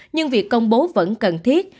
nhưng việc công bố vẫn cần thiết